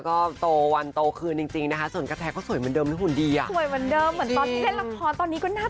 แล้วเขาสาวเหนือเนาะ